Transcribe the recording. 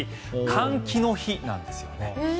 換気の日なんですよね。